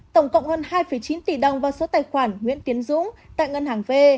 tổng cộng hơn hai chín tỷ đồng vào số tài khoản nguyễn tiến dũng tại ngân hàng v